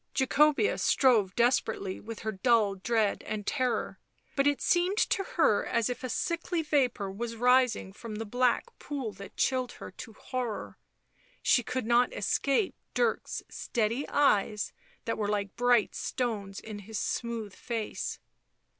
Jacobea strove, desperately with her dull dread and terror, but it seemed to her as if a sickly vapour was rising from the black pool that chilled her blood to horror ; she could not escape Dirk's steady eyes that were like bright stones in his smooth face.